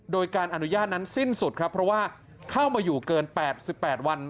โดยการอนุญาตนั้นสิ้นสุดครับเพราะว่าเข้ามาอยู่เกิน๘๘วัน